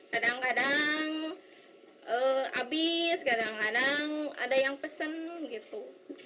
kadang kadang habis kadang kadang ada yang pesen gitu